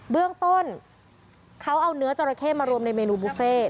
เบื้องต้นเขาเอาเนื้อจราเข้มารวมในเมนูบุฟเฟ่